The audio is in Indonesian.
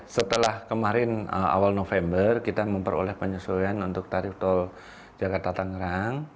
setelah kemarin awal november kita memperoleh penyesuaian untuk tarif tol jakarta tangerang